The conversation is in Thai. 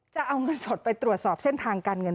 จะเอาเงินสดไปตรวจสอบเส้นทางการเงิน